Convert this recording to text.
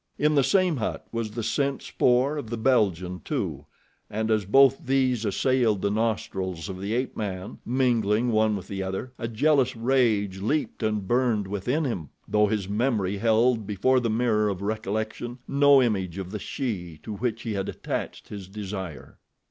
In the same hut was the scent spoor of the Belgian, too, and as both these assailed the nostrils of the ape man, mingling one with the other, a jealous rage leaped and burned within him, though his memory held before the mirror of recollection no image of the she to which he had attached his desire.